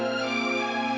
aku mau pergi